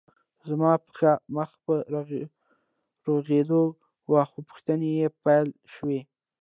زما پښه مخ په روغېدو وه خو پوښتنې پیل شوې